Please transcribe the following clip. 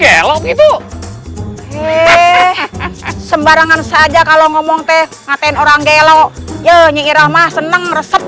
gelok itu hehehe sembarangan saja kalau ngomong teh ngatain orang gelok jenye rahma seneng resep